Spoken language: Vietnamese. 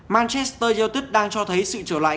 manchester united đang cho thấy sự trở lại